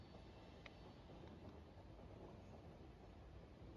Alieleza makazi ya wamasai katika volkeno ya Ngorongoro katika kitabu chake